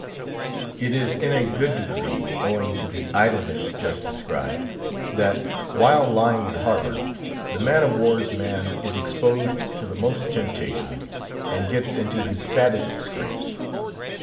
It is in a good degree owing to the idleness just described, that, while lying in harbour, the man of war's man is exposed to the most temptations and gets into his saddest scrapes.